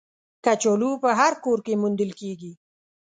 کچالو په هر کور کې موندل کېږي